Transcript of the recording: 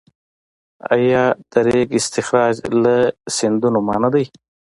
آیا د ریګ استخراج له سیندونو منع دی؟